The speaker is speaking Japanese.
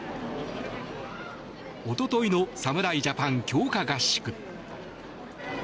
一昨日の侍ジャパン強化合宿。